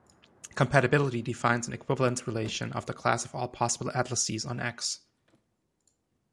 Compatibility defines an equivalence relation on the class of all possible atlases on "X".